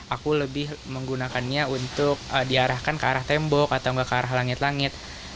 aku lebih menggunakannya untuk diarahkan ke arah tembok atau nggak ke arah langit langit